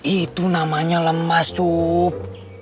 itu namanya lembas cup